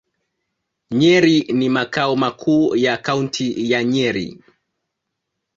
Nyeri ni makao makuu ya Kaunti ya Nyeri.